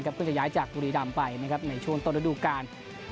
ก็จะย้ายจากบุรีรำไปในช่วงต้นฤดูกาล